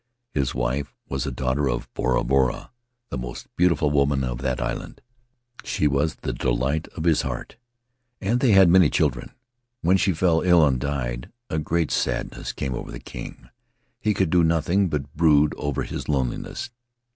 His wife was a daughter of Bora Bora — the most beautiful woman of that island; she was the delight of his heart, and they had many children. When she fell ill and died, a great sadness came over the king; he could do nothing but brood over his loneliness.